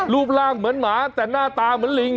รูปร่างเหมือนหมาแต่หน้าตาเหมือนลิง